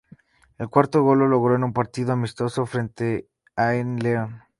El cuarto gol lo logró en un partido amistoso frente a en León.